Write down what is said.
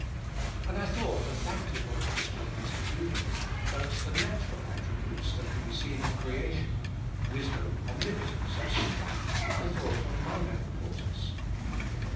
And I thought that that is what a Christian has to do with, but the natural attributes that can be seen in creation, wisdom, omnipotence and such like, I thought of minor importance.